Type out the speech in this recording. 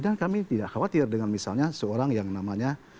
dan kami tidak khawatir dengan misalnya seorang yang namanya